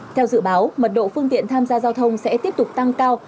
theo dự báo mật độ phương tiện tham gia giao thông sẽ tiếp tục tăng cao